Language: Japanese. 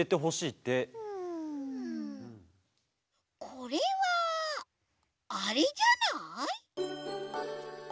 これはあれじゃない？